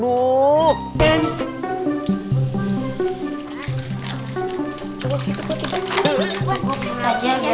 cukup saja ya